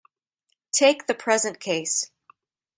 Take the present case.